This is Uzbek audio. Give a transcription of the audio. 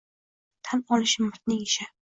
Tan olish mardning ishi